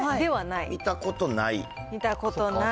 見たことない？